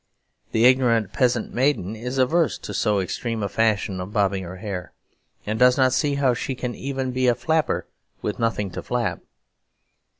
The ignorant peasant maiden is averse to so extreme a fashion of bobbing her hair; and does not see how she can even be a flapper with nothing to flap.